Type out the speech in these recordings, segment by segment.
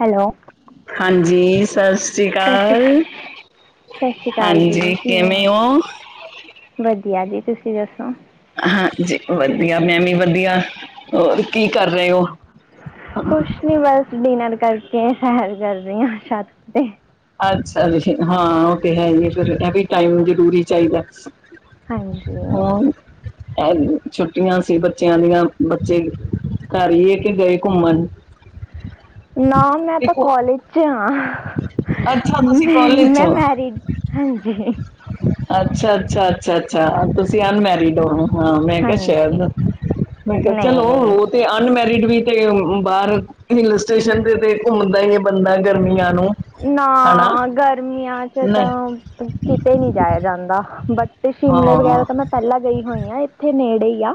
Hello ਹਾਂਜੀ ਸਸ ਸ੍ਰੀ ਸਤਿ ਸ਼੍ਰੀ ਕਾਲ ਸਤਿ ਸ਼੍ਰੀ ਅਕਾਲ ਜੀ ਹਾਂਜੀ ਹੋ ਕਿਵੇਂ ਔ? ਵਧੀਆ ਜੀ ਤੁਸੀਂ ਦੱਸੋ। ਹਾਂਜੀ ਵਧੀਆ ਮੈਂ ਵੀ ਵਧੀਆ ਹੋਰ ਕੀ ਕਰ ਰਏ ਔ। ਕੁਛ ਨੀ ਬਸ ਡਿਨਰ ਕਰਕੇ ਸੈਰ ਕਰ ਰੀ ਆ ਛੱਤ ਤੇ। ਅੱਛਾ ਜੀ ਹਾਂ ਉਹ ਤੇ ਹੈ ਹੀ ਫੇਰ ਐ ਵੀ ਟਾਈਮ ਜ਼ਰੂਰੀ ਚਾਈਦਾ। ਹਾਂਜੀ ਹੂੰ ਐ ਵੀ ਛੁੱਟੀਆਂ ਸੀ ਬੱਚਿਆਂ ਦੀਆਂ ਬੱਚੇ ਕਾਰ ਈ ਏ ਕੇ ਗਏ ਘੁੰਮਣ। ਨਾ, ਮੈਂ ਤਾਂ ਦੇਖੋ, ਕੋਲਜ 'ਚ ਆਂ। ਅੱਛਾ ਮ ਤੁਸੀਂ ਕਾਲਜ ਚ ਮੈਂ ਹੋ ਮੈਰਿਡ ਹਾਂਜੀ! ਅੱਛਾ! ਅੱਛਾ! ਅੱਛਾ! ਅੱਛਾ! ਤੁਸੀਂ ਅਨਮੈਰਿਡ ਹੋ। ਹਾਂ! ਮੈਂ ਕਿਹਾ ਹਾਂਜੀ ਸ਼ਾਇਦ, ਮੈਂ ਕਿਹਾ ਨਹੀਂ ਨਹੀਂ ਚਲੋ। ਤੇ ਅਨਮੈਰਿਡ ਵੀ ਤੇ ਬਾਹਰ। ਹਿਲ ਸਟੇਸ਼ਨ ਤੇ ਤੇ ਘੁੰਮਦਾ ਹੀ ਬੰਦਾ, ਗਰਮੀਆਂ ਨੂੰ। ਨਾ ਹਨਾ ਗਰਮੀਆਂ 'ਚ ਨਹੀਂ ਤਾਂ ਕਿਤੇ ਨਹੀਂ ਜਾਇਆ ਜਾਂਦਾ। ਬੱਟ ਸ਼ਿਮਲੇ ਹਾਂ ਵਗੈਰਾ ਤਾਂ ਮੈਂ ਪਹਿਲਾਂ ਗਈ ਹੋਈ ਆਂ, ਇੱਥੇ ਨੇੜੇ ਹੀ ਆ।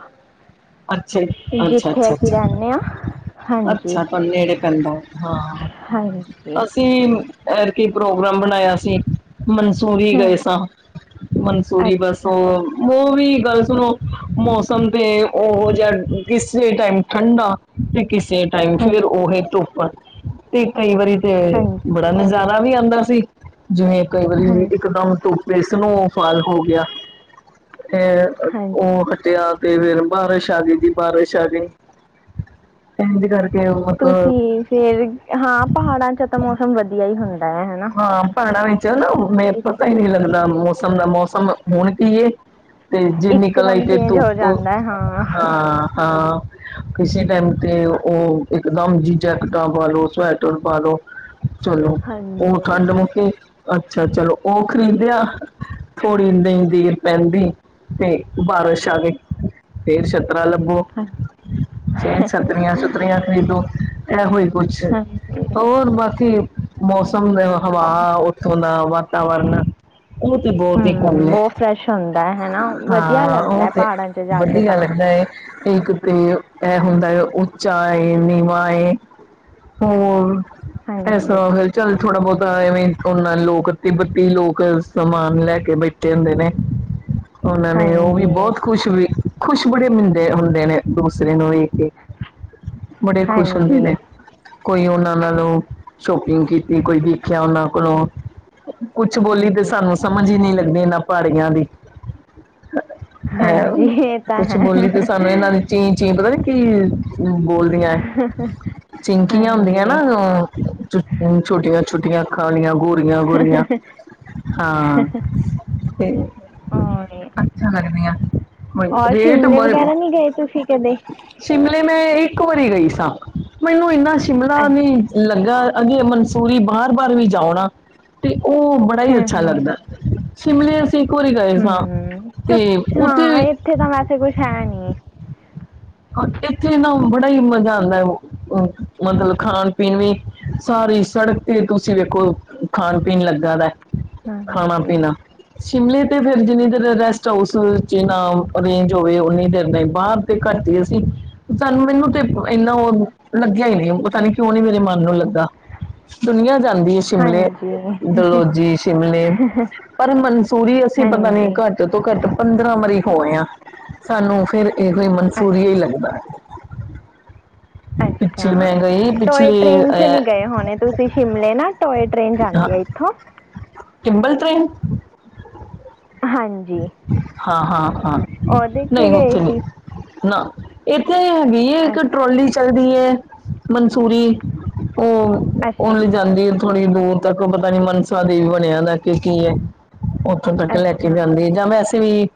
ਅੱਛਾ ਜੀ, ਅੱਛਾ ਜਿੱਥੇ ਅੱਛਾ ਅਸੀਂ ਅੱਛਾ ਰਹਿਣੇ ਹਾਂ। ਹਾਂਜੀ ਅੱਛਾ! ਤੁਹਾਨੂੰ ਨੇੜੇ ਪੈਦਾ ਹੋਉ ਹਾਂ। ਹਾਂਜੀ ਅਸੀਂ ਐਤਕੀਂ ਪ੍ਰੋਗਰਾਮ ਬਣਾਇਆ ਸੀ। ਮਨਸੂਰੀ ਹਮ ਗਏ ਸਾਂ, ਮਨਸੂਰੀ ਬਸ ਅੱਛਾ ਉਹ। ਉਹ ਵੀ ਗੱਲ ਸੁਣੋ ਮੌਸਮ ਤੇ ਉਹੋ ਜਿਹਾ ਕਿਸੇ ਟਾਈਮ ਠੰਡਾ। ਤੇ ਕਿਸੇ ਟਾਈਮ ਫੇਰ ਹਾਂਜੀ ਉਹੀ ਧੁੱਪ, ਤੇ ਕਈ ਵਾਰੀ ਤੇ। ਹਾਂਜੀ ਨਜ਼ਾਰਾ ਵੀ ਆਉਂਦਾ ਸੀ ਜਿਵੇ। ਕਈ ਵਾਰੀ ਹਾਂਜੀ ਇੱਕਦਮ ਧੁੱਪ ਏ, ਸਨੋਫਾਲ ਹੋ ਗਯਾ। ਇਹ ਹਾਂਜੀ ਉਹ ਹਟਿਆ ਤੇ ਫੇਰ ਬਾਰਿਸ਼ ਆ ਗਈ ਜੀ ਬਾਰਿਸ਼ ਆ ਗਈ। ਇੰਜ ਕਰ। ਤੁਸੀਂ ਫੇਰ, ਹਾਂ ਪਹਾੜਾਂ 'ਚ ਤਾਂ ਮੌਸਮ ਵਧੀਆ ਹੀ ਹੁੰਦਾ ਹੈਨਾ। ਹਾਂ ਪਹਾੜਾਂ ਵਿੱਚ ਨਾ ਉਵੇਂ ਪਤਾ ਹੀ ਨਹੀਂ ਲੱਗਦਾ ਮੌਸਮ ਦਾ, ਮੌਸਮ ਹੁਣ ਕੀ ਏ। ਤੇ ਜੇ ਨਿਕਲ ਆਈ ਇੱਕਦਮ ਤੇ ਚੇਂਜ ਹੋ ਧੁੱਪ ਜਾਂਦਾ ਹੈ ਹਾਂ! ਹਾਂ! ਕਿਸੇ ਟਾਈਮ ਤੇ ਉਹ ਇਕਦਮ ਜੀ ਜੈਕਟਾਂ ਪਾਲੋ, ਸਵੈਟਰ ਪਾਲੋ। ਚਲੋ ਉਹ ਹਾਂਜੀ ਠੰਡ ਮੁਕੀ, ਅੱਛਾ ਚਲੋ ਉਹ ਖ਼ਰੀਦਿਆ। ਥੋੜ੍ਹੀ ਨਹੀਂ ਦੇਰ ਪੈਂਦੀ, ਤੇ ਬਾਰਿਸ਼ ਆ ਗਈ। ਫਿਰ ਛੱਤਰਾ ਲੱਭੋ, ਹਾਂ ਫੇਰ ਛੱਤਰੀਆਂ- ਛੁਤਰੀਆਂ ਖਰੀਦੋ। ਇਹੋ ਹੀ ਕੁਛ, ਹਾਂਜੀ ਹੋਰ ਬਾਕੀ ਮੌਸਮ ਤੇ ਹਵਾ। ਹਮ ਉੱਥੋਂ ਦਾ ਵਾਤਾਵਰਨ। ਉਹ ਤੇ ਬਹੁਤ ਹੀ ਘੁੰਮੇ, ਬਹੁਤ ਫਰੈਸ਼ ਹੁੰਦਾ ਹੈ ਹਨਾ ਵਧੀਆ ਹਾਂ ਉਹ ਲੱਗਦਾ ਤੇ। ਪਹਾੜਾਂ ਚ ਜਾ ਕੇ ਵਧੀਆ ਤਾਂ ਲੱਗਦਾ ਹੈ, ਕਿ ਕਿਧਰੇ ਇਹ ਹੁੰਦਾ ਹੈ। ਉਚਾ ਏ- ਨੀਵਾ ਏ ਹੋਰ ਹਾਂਜੀ ਐਸਾ। ਚੱਲ ਥੋੜ੍ਹਾ ਬਹੁਤਾ ਐਵੇਂ ਨਾ ਲੋਕ ਇਕੱਤੀ ਬੱਤੀ ਲੋਕ ਸਮਾਨ ਲੈ ਕੇ ਬੈਠੇ ਹੁੰਦੇ ਨੇ। ਹੂ! ਉਹਨਾਂ ਨੇ ਉਹ ਵੀ ਹਾਂਜੀ ਬਹੁਤ ਖੁਸ਼ ਹੋਈ, ਖੁਸ਼ ਬੜੇ ਮਿਲਦੇ ਹੁੰਦੇ ਨੇ ਦੂਸਰੇ ਨੂੰ ਵੇਖ ਕੇ। ਬੜੇ ਖੁਸ਼ ਹੁੰਦੇ ਹਾਂਜੀ ਨੇ। ਕੋਈ ਉਹਨਾਂ ਨਾਲੋਂ ਸ਼ੋਪਿੰਗ ਕੀਤੀ, ਕੋਈ ਦੇਖਿਆ ਉਹਨਾਂ ਕੋਲੋਂ। ਕੁਛ ਹਾਂ ਬੋਲੀ ਤੇ ਸਾਨੂੰ ਸਮਝ ਹੀ ਨਹੀਂ ਲੱਗਦੀ, ਇਹਨਾਂ ਪਹਾੜੀਆਂ ਦੀ। ਹੈ ਹਾਂਜੀ ਇਹ ਤਾਂ ਕੁੱਛ ਬੋਲੀ ਤੇ ਸਾਨੂੰ ਇਹਨਾਂ ਹੈ ਦੀ ਚੀਂ ਚੀਂ, ਪਤਾ ਨੀ ਕੀ ਏ ਅਨੂ ਬੋਲਦੀਆਂ ਚਿੰਕੀਆਂ ਹੁੰਦੀਆਂ ਨਾ ਹਾਂਜੀ ਉਹ। ਹੂ ਛੋਟੀਆਂ- ਛੋਟੀਆਂ ਅੱਖਾਂ ਵਾਲੀਆਂ ਗੋਰੀਆਂ- ਗੋਰੀਆਂ ਹਾਂ। ਤੇ ਔਰ ਅੱਛਾ ਲੱਗਦੀ ਆਨ ਬਈ ਔਰ ਰੇਟ ਸ਼ਿਮਲੇ ਬਈ ਵਗੈਰਾ ਉਹ। ਨਹੀਂ ਗਏ ਤੁਸੀਂ ਕਦੇ ਸ਼ਿਮਲੇ ਮੈਂ ਇੱਕ ਵਾਰੀ ਗਈ ਸਾਂ, ਮੈਨੂੰ ਇੰਨਾ ਸ਼ਿਮਲਾ ਅੱਛਾ ਨਹੀਂ। ਲੱਗਾ, ਅੱਗੇ ਮਨਸੂਰੀ ਬਾਰ-ਬਾਰ ਵੀ ਜਾਉ ਨਾ, ਤੇ ਉਹ ਬੜਾ ਹੀ ਹਮ ਅੱਛਾ ਹਮ ਲੱਗਦਾ। ਸ਼ਿਮਲੇ ਅਸੀਂ ਇੱਕ ਵਾਰੀ ਗਏ ਸਾਂ, ਹਮ ਤੇ ਕੁਛ ਹਾਂ ਉੱਥੇ- ਇੱਥੇ ਤਾਂ ਵੈਸੇ ਕੁਛ ਹੈ ਨੀ। ਇੱਥੇ ਨਾ ਬੜਾ ਈ ਮਜ਼ਾ ਆਦਾ ਓ, ਓ ਮਤਲਬ ਖਾਣ-ਪੀਣ ਵੀ ਸਾਰੀ ਸੜਕ ਤੇ ਤੁਸੀਂ ਵੇਖੋ ਖਾਣ-ਪੀਣ ਲੱਗਾ ਦੈ, ਹਾਂਜੀ ਖਾਣਾ-ਪੀਣਾ। ਸ਼ਿਮਲੇ ਤੇ ਫੇਰ ਜਿੰਨੀ ਦੇਰ ਰੈਸਟ ਹਾਊਸ ਚ ਨਾ ਅਰੇਂਜ ਹੋਵੇ ਓਨੀ ਦੇਰ ਨੀ ਬਾਰ ਤੇ ਕਰਦੇ ਅਸੀਂ ਸਾਨੂੰ ਮੈਨੂੰ ਤੇ ਏਨਾ ਓ, ਲੱਗਿਆ ਈ ਨਈ ਪਤਾ ਨੀ ਕਿਓ ਨੀ ਮੇਰੇ ਮਨ ਨੂੰ ਲੱਗਾ ਦੁਨੀਆਂ ਜਾਂਦੀ ਏ ਸ਼ਿਮਲੇ, ਹਾਂਜੀ ਦਲੌਜੀ, ਸ਼ਿਮਲੇ। ਪਰ ਮਨਸੂਰੀ ਅਸੀਂ ਪਤਾ ਨੀ ਹਾਂਜੀ ਘੱਟ ਘੱਟ ਤੋਂ ਘੱਟ ਪੰਦਰਾਂ ਵਾਰੀ ਹੋ ਆਏ ਆ, ਸਾਨੂੰ ਫੇਰ ਇਹੋ ਈ ਮਨਸੂਰੀ ਈ ਅੱਛਾ ਲੱਗਦਾ ਐ। ਅੱਛਾ। ਗਈ ਟੋਏ ਪਿਛਲੇ ਟ੍ਰੇਨ ਚ ਅ ਨੀ ਗਏ ਹੋਣੇ ਤੁਸੀਂ ਸ਼ਿਮਲੇ ਨਾ ਟੋਏ ਟ੍ਰੇਨ ਜਾਂਦੀ ਐ ਏਥੋਂ। ਟਿਮਬਲ ਟ੍ਰੇਨ ਹਾਂਜੀ। ਹਾਂ-ਹਾਂ-ਹਾਂ, ਉਹਦੇ ਚ ਨਈ ਗਏ ਓਥੇ ਨੀ। ਸੀ ਨਾ ਏਥੇ ਵੀਹ ਇੱਕ ਟਰੋਲੀ ਚ ਚੱਲਦੀ ਐ, ਮਨਸੂਰੀ ਓ ਅੱਛਾ ਅੱਛਾ ਓਨ ਜਾਂਦੀ ਐ, ਥੋੜੀ ਦੂਰ ਤੱਕ ਪਤਾ ਨੀ ਮਨਸਾ ਦੇਵੀ ਬਨਿਆ ਦੈ ਕਿ-ਕੀ ਏ, ਓਥੋਂ ਤੱਕ ਲੈ ਕੇ ਅੱਛਾ ਜਾਂਦੀ ਜਾਂ ਵੈਸੇ ਵੀ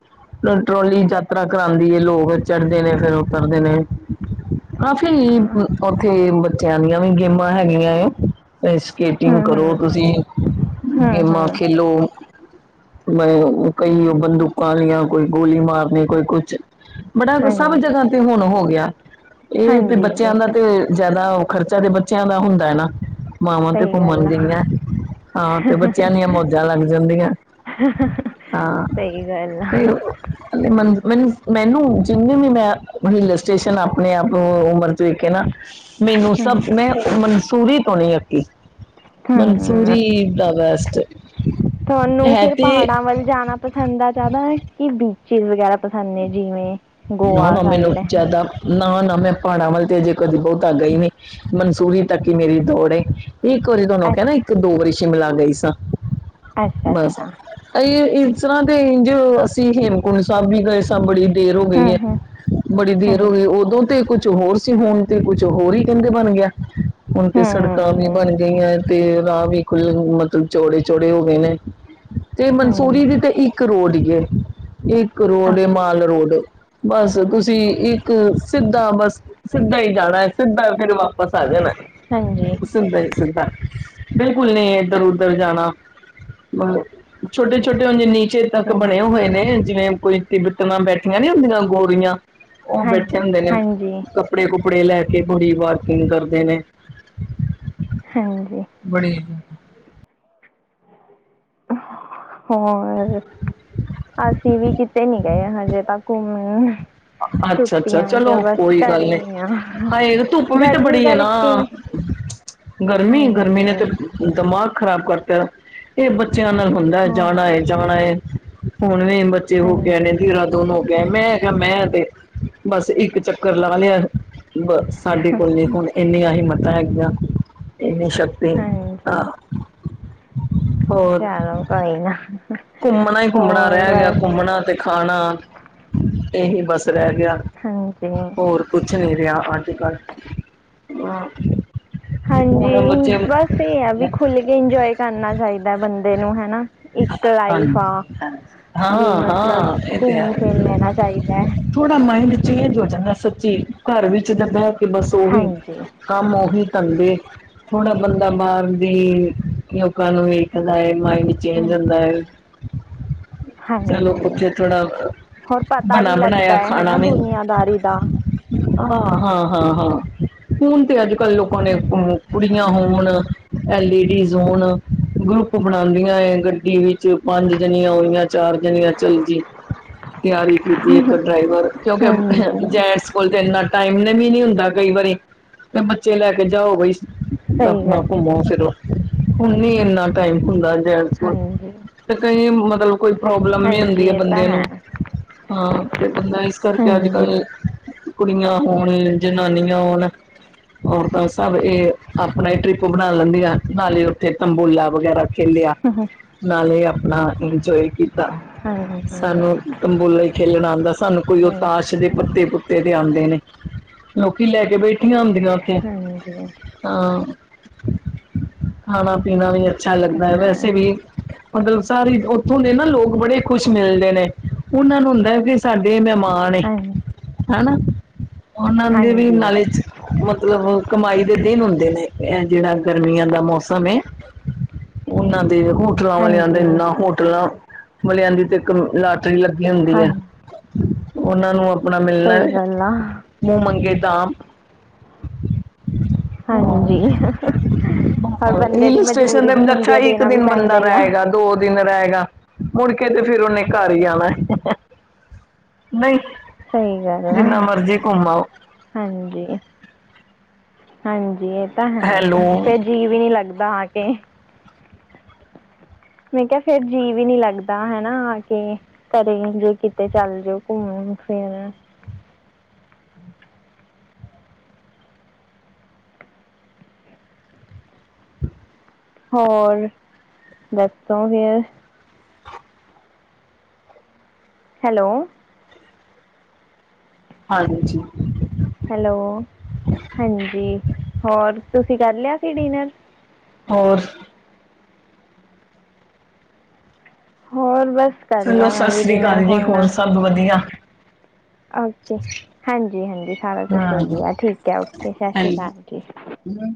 ਟਰੋਲੀ ਯਾਤਰਾ ਕਰਾਂਦੀ ਐ ਲੋਕ ਚੜਦੇ ਨੇ ਫੇਰ ਉਤਰਦੇ ਨੇ। ਹਾਂ, ਅੱਛਾ ਫੇਰ ਓਥੇ ਬੱਚਿਆਂ ਦੀਆਂ ਵੀ ਗੇਮਾਂ ਹੈਗੀਆਂ ਐ। ਸਕੇਟਿੰਗ ਹਮ ਕਰੋ ਹਮ ਤੁਸੀਂ, ਹੂੰ ਗੇਮਾਂ ਹੂੰ ਖੇਲੋ। ਮੈਂ ਕਈ ਓ ਬੰਦੂਕਾਂ ਲੀਆਂ ਕੋਈ ਗੋਲੀ ਮਾਰਨੀ ਕੋਈ ਕੁਛ ਬੜਾ ਸਭ ਹਾਂਜੀ ਜਗਾ ਤੇ ਹੁਣ ਹੋ ਗਿਆ, ਏ ਤੇ ਹਾਂਜੀ ਬੱਚੇਆਂ ਇਹ ਦਾ ਤਾਂ ਤੇ ਹੈ ਜਾਅਦਾ ਓ ਖਰਚਾ ਤੇ ਬੱਚਿਆਂ ਦਾ ਹੁੰਦਾ ਐ ਨਾ। ਮਾਵਾਂ ਤੇ ਸਹੀ ਘੁੰਮਨ ਗੱਲ ਆ ਗਈਐ, ਹਾਂ ਤੇ ਬੱਚੇਆਂ ਦੀਆਂ ਮੌਜਾਂ ਲੱਗ ਜਾਂਦੀਆਂ। [inaudible] ਹਾਂ, ਸਹੀ ਗੱਲ ਤੇ ਆ ਓ ਮੈਨੂੰ-ਮੈਨੂੰ, ਜਿੰਨੇ ਵੀ ਮੈਂ ਹਿੱਲ ਸਟੇਸ਼ਨ ਆਪਣੇ ਆਪ ਉਮਰ ਤਰੀਕੇ ਨਾ ਮੈਨੂੰ ਹੂੰ ਸਭ ਮੈਂ ਮਨਸੂਰੀ ਤੋਂ ਨੀ ਅੱਕੀ। ਹੂੰ ਮਨਸੂਰੀ ਦਾ ਬੈਸਟ ਤੁਹਾਨੂੰ ਫੇਰ ਪਹਾੜਾਂ ਵੱਲ ਜਾਣਾ ਪਸੰਦ ਆ ਜਾਂਦਾ ਕਿ ਬੀਚਿਸ ਵਗੈਰਾ? ਪਸਾਨੇ ਜਿਵੇਂ ਗੋਆ ਨੋ-ਨੋ ਮੈਨੂੰ ਸਾਈਡ ਹੈ ਜਾਅਦਾ ਨਾ-ਨਾ ਮੈਂ ਪਹਾੜਾਂ ਵੱਲ ਤੇ ਅਜੇ ਕਦੀ ਬੋਤਾ ਗਈ ਨਈ, ਮਨਸੂਰੀ ਤੱਕ ਈ ਮੇਰੀ ਦੌੜ ਏ। ਇੱਕ ਵਾਰੀ ਤੁਆਨੂੰ ਕੈਣਾ ਇੱਕ ਅੱਛਾ ਦੋ ਵਾਰੀ ਸ਼ਿਮਲਾ ਗਈ ਸਾਂ, ਅੱਛਾ ਬਸ। ਅੱਛਾ ਏਸ ਤਰਾਂ ਤੇ ਇੰਝ ਅਸੀਂ ਹੇਮਕੁੰਟ ਸਾਬ ਵੀ ਗਏ ਸਾਂ ਬੜੀ ਦੇਰ ਹੋਈ ਹੂੰ ਐ, ਹੂੰ ਬੜੀ ਦੇਰ ਹੋ ਹਾਂਜੀ ਗਈ ਓਦੋਂ ਤੇ ਕੁੱਝ ਕੁਛ ਹੋਰ ਸੀ ਹੁਣ ਤੇ ਕੁਛ ਹੋਰ ਈ ਕੈਂਦੇ ਬਨ ਗਿਆ ਹੁਣ ਤੇ ਸੜਕਾਂ ਹੂੰ ਵੀ ਬਣ ਹੂੰ ਗਈਆਂ ਐ। ਤੇ ਰਾਹ ਵੀ ਖੁੱਲ ਮਤਲਬ ਚੌੜੇ-ਚੌੜੇ ਹੋ ਗਏ ਨੇ, ਤੇ ਮਨਸੂਰੀ ਦੀ ਹਾਂਜੀ ਤੇ ਇੱਕ ਇੱਕ ਰੋਡ ਈ ਏ, ਇੱਕ ਰੋਡ ਏ ਅੱਛਾ ਮਾਲ ਰੋਡ। ਬਸ ਤੁਸੀਂ ਇੱਕ ਸਿੱਧਾ ਬਸ ਸਿੱਧਾ ਈ ਜਾਣਾ ਐ, ਸਿੱਧਾ- ਫੇਰ ਵਾਪਸ ਆ ਜਾਨਾ ਹਾਂਜੀ ਐ। ਸਿਦਾ ਈ ਸਿਦਾ, ਬਿਲਕੁਲ ਨਈ ਏਦਰ-ਓਦਰ ਜਾਨਾ। ਬਸ ਛੋਟੇ-ਛੋਟੇ ਹੁੰਦੇ ਨੀ ਨੀਚੇ ਤਕ ਚਲੋ ਬਣੇ ਹੋਏ ਨੇ ਜਿਵੇਂ ਕੋਈ ਤਿੱਬਤਨਾ ਬੈਠੀਆਂ ਨੀ ਹੁੰਦੀਆਂ ਗੋਰੀਆਂ- ਓ ਹਾਂ ਬੈਠੇ ਹੁੰਦੇ ਨੇ ਹਾਂਜੀ ਕੱਪੜੇ-ਕੁਪੜੇ ਲੈ ਕੇ ਬੜੀ ਬਾਰਕਿੰਗ ਕਰਦੇ ਨੇ। ਹਾਂਜੀ। ਬੜੀ। ਹੋਰ ਅਸੀਂ ਵੀ ਕਿਤੇ ਨੀ ਗਏ ਹਜੇ ਤੱਕ ਘੁੰਮਣ। ਅੱਛਾ-ਅੱਛਾ, ਛੁੱਟੀਆਂ 'ਚ ਚਲੋ ਬਸ ਕੋਈ ਗੱਲ ਘਰੇ ਨੀ, ਹੀ ਆ ਹਜੇ ਧੁੱਪ ਵੀ ਤੇ ਗਰਮੀ ਬੜੀ ਆ ਕਰਕੇ ਨਾ। ਗਰਮੀ-ਗਰਮੀ ਹਾਂਜੀ ਨੇ ਤੇ ਦਿਮਾਗ ਖਰਾਬ ਕਰਤਾ ਏ ਬੱਚਿਆਂ ਨਾਲ ਹੁੰਦਾ ਹੈ ਹਾਂ ਜਾਣਾ ਏ। ਜਾਣਾ ਏ, ਹੁਣ ਵੀ ਬੱਚੇ ਹੋਕੇ ਆਏ ਹਾਂਜੀ ਨੇ ਦੇਹਰਾਦੂਨ ਹੋ ਕੇ ਆਏ ਮੈਂ ਕਿਹਾ ਮੈਂ ਤੇ ਬਸ ਇੱਕ ਚੱਕਰ ਲਾ ਲਿਆ। ਬਸ ਸਾਡੇ ਕੋਲ ਨੀ ਹੁਣ ਇੰਨੀਆਂ ਹੀਮਤਾਂ ਹੈਗੀਆਂ ਇੰਨੀ ਸ਼ਕਤੀ ਹਾਂਜੀ। ਹਾਂ ਹੋਰ ਚਲੋ ਕੋਈ ਨਾ ਘੁੰਮਣਾ ਹੀ ਘੁੰਮਣਾ ਹੋਰ ਰਹਿ ਗਿਆ ਬਸ ਘੁੰਮਣਾ ਤੇ ਖਾਣਾ, ਇਹੀ ਬਸ ਰਹਿ ਗਿਆ। ਹਾਂਜੀ। ਹੋਰ ਕੁਛ ਨਹੀਂ ਰਿਹਾ ਅੱਜ-ਕੱਲ ਹਾਂ। ਹੁਣ ਹਾਂਜੀ, ਬੱਚੇ ਬਸ ਏ ਆ ਵੀ ਖੁੱਲ ਕੇ ਇੰਜੋਏ ਕਰਨਾ ਚਾਹੀਦਾ ਬੰਦੇ ਨੂੰ ਹਨਾ। ਇੱਕ ਲਾਈਫ ਆ ਹਾਂਜੀ ਵੀ ਹਾਂ ਮਤਲਬ ਹਾਂ ਇਹ ਤੇ ਹੈ ਘੁੰਮ ਫਿਰ ਲੈਣਾ ਚਾਹੀਦਾ। ਥੋੜਾ ਮਾਇੰਡ ਚੇਂਜ ਹੋ ਜਾਂਦਾ ਸੱਚੀ, ਘਰ ਵਿੱਚ ਤਾਂ ਬਹਿ ਕੇ ਬਸ ਉਹੀ। ਹਾਂਜੀ ਕੰਮ ਉਹੀ ਧੰਦੇ। ਥੋੜਾ ਬੰਦਾ ਬਾਹਰ ਦੀ ਲੋਕਾਂ ਨੂੰ ਵੀ ਵੇਖਦਾ ਏ ਮਾਇੰਡ ਚੇਜ ਹਾਂ ਹੁੰਦਾ ਚਲੋ ਹਾਂਜੀ ਉੱਥੇ ਥੋੜ੍ਹਾ ਬਣਾ ਭੈ ਹੈਨਾ ਦੁਨੀਆਂਦਾਰੀ ਦਾ। ਹਾਂ-ਹਾਂ-ਹਾਂ-ਹਾਂ, ਹੁਨ ਤੇ ਅੱਜ-ਕੱਲ੍ਹ ਲੋਕਾਂ ਨੇ ਹਾਂਜੀ ਕੁੜੀਆਂ ਹੋਣ, ਐ ਲੇਡੀਜ਼ ਹੋਣ। ਗਰੁੱਪ ਬਣਾਦੀਆਂ ਏ ਗੱਡੀ ਵਿੱਚ ਪੰਜ ਜਣੀਆਂ ਹੋਈਆਂ ਚਾਰ ਜਣੀਆਂ ਚਲ ਜੀ। ਤਿਆਰੀ ਕੀਤੀ ਇੱਕ ਡਰਾਈਵਰ ਕਿਉਂਕਿ ਹਾਂਜੀ ਜੈਂਟਸ ੳਂਂਜ ਤੇ ਇੰਨਾ ਟਾਈਮ ਵੀ ਨੀ ਹੁੰਦਾ ਕਈ ਵਾਰੀ ਬੱਚੇ ਲੈ ਕੇ ਜਾਓ ਬਈ। ਸਹੀ ਆਪਣਾ ਗੱਲ ਘੁੰਮੋ-ਫਿਰੋ ਹੁਣ ਨੀ ਇੰਨਾ ਟਾਈਮ ਹੁੰਦਾ ਜੇ ਹਾਂਜੀ ਤੇ ਕਈ ਮਤਲਬ ਕੋਈ ਪ੍ਰੋਬਲਮ ਵੀ ਹੁੰਦੀ ਹਾਂਜੀ ਹੈ ਇਹ ਤਾਂ ਬੰਦੇ ਨੂੰ। ਹਾਂ, ਤੇ ਬੰਦਾ ਇਸ ਕਰਕੇ ਹਾਂਜੀ ਅੱਜ-ਕੱਲ ਕੁੜੀਆਂ ਹੋਣ, ਜਨਾਨੀਆਂ ਹੋਣ। ਔਰਤਾਂ ਸਭ ਏ ਆਪਣਾ ਹੀ ਟਰਿਪ ਬਣਾ ਲੈਂਦੀਆਂ ਨਾਲੇ ਉੱਥੇ ਤੰਬੋਲਾ ਵਗੈਰਾ ਖੇਲਿਆ ਨਾਲੇ ਆਪਣਾ ਇੰਜੋਏ ਕੀਤਾ। ਹਾਂਜੀ ਹਾਂਜੀ ਸਾਨੂੰ ਤੰਬੋਲਾ ਖੇਲਣਾ ਹੀ ਆਉਂਦਾ ਸਾਨੂੰ ਕੋਈ ਉ ਤਾਸ਼ ਦੇ ਪੱਤੇ-ਪੁ ਬਤੇਰੇ ਆਉਂਦੇ ਨੇ ਲੋਕੀ ਲੈ ਕੇ ਬੈਠੀਆਂ ਹੁੰਦੀਆਂ। ਹਾਂਜੀ। ਹਾ, ਖਾਣਾ-ਪੀਣਾ ਵੀ ਅੱਛਾ ਤਾਂ ਲੱਗਦਾ ਹੈ ਹਾਂ ਵੈਸੇ ਵੀ ਮਤਲਬ ਸਾਰੀ ਉੱਥੋਂ ਦੇ ਨਾ ਲੋਕ ਬੜੇ ਖੁਸ਼ ਮਿਲਦੇ ਨੇ, ਉਹਨਾਂ ਨੂੰ ਹੁੰਦਾ ਕਿ ਸਾਡੇ ਮਹਿਮਾਨ ਆਣੇ ਹਨਾ, ਉਹਨਾਂ ਦੇ ਵੀ ਹਾਂਜੀ ਨਾਲੇ ਚ ਮਤਲਬ ਕਮਾਈ ਦੇ ਦਿਨ ਹੁੰਦੇ ਨੇ ਏ ਜੇਹੜਾ ਗਰਮੀਆਂ ਦਾ ਮੌਸਮ ਹੈ। ਉਹਨਾਂ ਦੇ ਹੋਰ ਹੋਟਲਾਂ ਵਾਲੇ ਹਾਂਜੀ ਜਾਂਦੇ, ਹੋਟਲਾਂ ਵਾਲੇਆ ਦੀ ਤੇ ਇੱਕ ਲਾਟਰੀ ਲੱਗੀ ਹੁੰਦੀ ਹਾਂ ਹੈ। ਉਂਨਾ ਨੂੰ ਆਪਣਾ ਮਿਲਣਾ ਹੈ ਸਹੀ ਗੱਲ ਆ ਮੂੰਹ ਮੰਗੇ ਦਾਮ। ਹਾਂਜੀ ਔਰ ਬੰਦੇ ਦੀ ਹਿਲ ਸਟੇਸ਼ਨ ਮਜਬੂਰੀ ਤੇ ਵੀ ਹੁੰਦੀ ਅੰਦਰ ਆ ਇੱਕ ਦੇਣਾ ਵੀ ਦਿਨ ਬੰਦਾ ਪੈਂਦਾ ਹੀ ਆ ਰਹੇਗਾ। ਦੋ ਦਿਨ ਰਹਿਗਾ, ਮੁੜਕੇ ਤੇ ਫੇਰ ਉਹਨੇ ਘਰ ਹੀ ਆਣਾ। ਨਹੀਂ, ਸਹੀ ਗੱਲ ਆ ਜਿੰਨਾ ਮਰਜੀ ਘੁੰਮ ਆਓ। ਹਾਂਜੀ, ਹਾਂਜੀ ਐ ਤਾਂ, ਹੈਲੋ ਫੇ ਜੀ ਵੀ ਨੀ ਲੱਗਦਾ ਆ ਕੇ। ਮੈਂ ਕੇਆ ਫੇਰ ਜੀ ਵੀ ਨੀ ਲੱਗਦਾ, ਹਨਾ ਆ ਕੇ। ਘਰੇ ਜੇ ਕਿਤੇ ਚੱਲ ਜਾਓ ਘੁੰਮਨ-ਫਿਰਨ। ਹੋਰ, ਦੱਸੋਗੇ ਹੈਲੋ। ਹਾਂਜੀ। ਹੈਲੋ ਹਾਂਜੀ, ਹੋਰ ਤੁਸੀ ਕਾਰ ਲੇਆ ਸੀ ਡਿਨਰ? ਹੋਰ ਹੋਰ, ਬਾੱਸ ਕਾਰ ਚਲੋ ਲੇਆ ਮੈਂ ਸਤਿ ਵੀ ਸ੍ਰੀ ਡਿਨਰ ਅਕਾਲ ਜੀ ਹੁਨ, ਹੋਰ ਸਭ ਵਧੀਆ ਓਕੇ। ਹਾਂਜੀ-ਹਾਂਜੀ, ਸਾਰਾ ਕੋਸ਼ ਹਾਂ ਵਦੀਆ ਠੀਕ ਐ ਓਕੇ ਸ਼ਾਸ਼ੀ ਕਾਲ ਜੀ। ਹੂੰ।